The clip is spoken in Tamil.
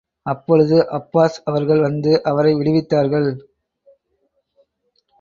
அப்பொழுது அப்பாஸ் அவர்கள் வந்து அவரை விடுவித்தார்கள்.